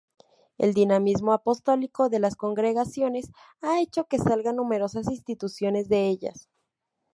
El dinamismo apostólico de las Congregaciones ha hecho que salgan numerosas instituciones de ellas.